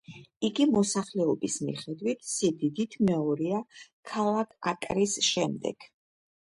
იგი მოსახლეობის მიხედვით სიდიდით მეორეა დედაქალაქ აკრის შემდეგ.